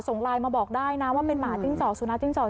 ส่งไลน์มาบอกได้นะว่าเป็นหมาจิ้งจอกสุนัขจิ้งจอก